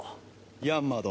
ヤンマ殿。